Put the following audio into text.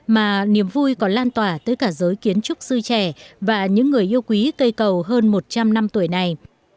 mà niềm vui còn lan tỏa tới cả giới kiến trúc sư trẻ và những người yêu quý cây cầu hơn một trăm linh năm tuổi này